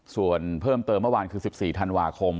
ส่วนเพิ่มเติมเมื่อวานคือ๑๔ธันวาคม